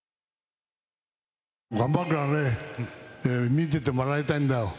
頑張るからね、見ててもらいたいんだよ。